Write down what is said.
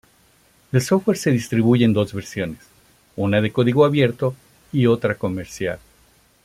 El software se distribuye en dos versiones: una de código abierto y otra comercial.